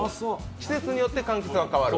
季節によって、かんきつが変わる？